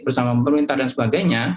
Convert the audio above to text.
bersama pemerintah dan sebagainya